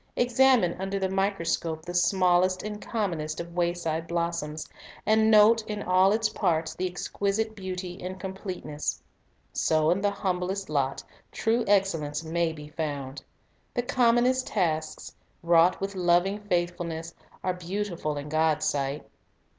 Examine under the ^microscope the smallest and commonest of wayside blossoms, and note in all its parts the exquisite beauty and complete ness. So in the humblest lot true excellence may be found; the commonest tasks, wrought with loving faith fulness, are beautiful in God's sight.